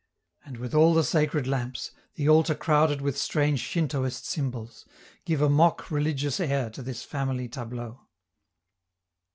And withal the sacred lamps, the altar crowded with strange Shintoist symbols, give a mock religious air to this family tableau.